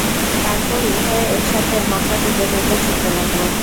তারপর উভয়ে এক সাথে মক্কার দিকে দ্রুত ছুটতে লাগল।